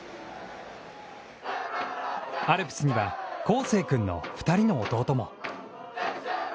アルプスには、孝成君の２人の弟も。